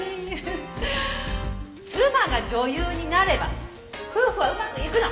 「妻が女優になれば夫婦はうまくいくの」